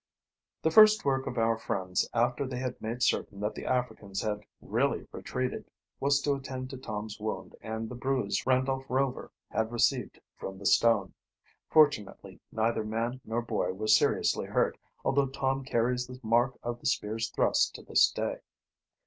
The first work of our friends after they had made certain that the Africans had really retreated, was to attend to Tom's wound and the bruise Randolph Rover had received from the stone. Fortunately neither man nor boy was seriously hurt, although Tom carries the mark of the spear's thrust to this day.